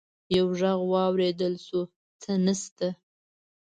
يو غږ واورېدل شو: څه نشته!